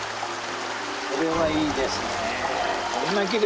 これはいいですね。